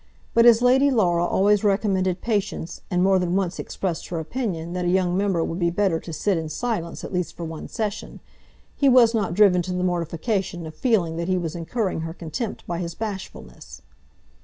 But as Lady Laura always recommended patience, and more than once expressed her opinion that a young member would be better to sit in silence at least for one session, he was not driven to the mortification of feeling that he was incurring her contempt by his bashfulness.